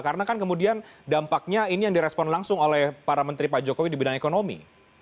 karena kan kemudian dampaknya ini yang direspon langsung oleh para menteri pak jokowi di bidang ekonomi